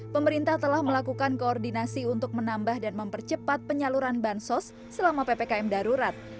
pemerintah telah melakukan koordinasi untuk menambah dan mempercepat penyaluran bansos selama ppkm darurat